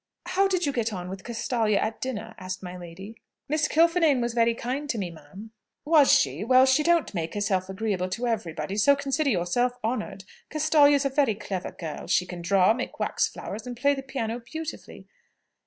"How did you get on with Castalia at dinner?" asked my lady. "Miss Kilfinane was very kind to me, ma'am." "Was she? Well, she don't make herself agreeable to everybody, so consider yourself honoured. Castalia's a very clever girl. She can draw, make wax flowers, and play the piano beautifully."